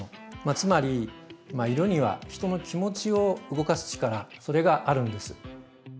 つまり色には人の気持ちを動かす力それがあるんです。